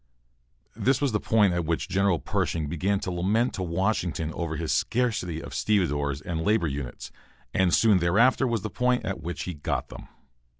This was the point at which General Pershing began to lament to Washington over his scarcity of stevedores, and labor units, and soon thereafter was the point at which he got them.